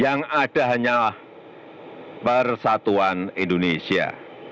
yang ada hanyalah persatuan indonesia